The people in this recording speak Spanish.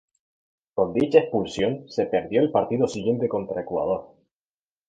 Con dicha expulsión, se perdió el partido siguiente contra Ecuador.